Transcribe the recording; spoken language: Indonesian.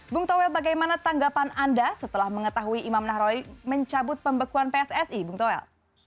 bung toel bagaimana tanggapan anda setelah mengetahui imam nahrawi mencabut pembekuan pssi bung toel